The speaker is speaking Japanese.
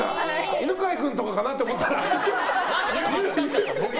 犬飼君とかかと思ったら。